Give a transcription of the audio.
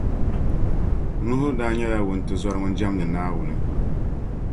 Nuhu daa nyɛla wuntizɔra ŋun jɛmdi Naawuni.